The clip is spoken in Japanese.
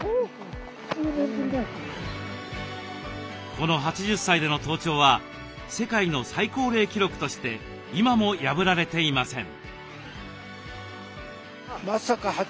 この８０歳での登頂は世界の最高齢記録として今も破られていません。